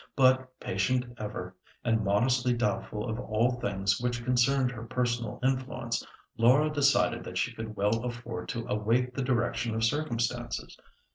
But, patient ever, and modestly doubtful of all things which concerned her personal influence, Laura decided that she could well afford to await the direction of circumstances.